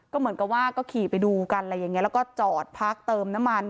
ก็เหมือนกับว่าก็ขี่ไปดูกันอะไรอย่างนี้แล้วก็จอดพักเติมน้ำมัน